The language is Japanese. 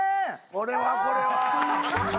これはこれは。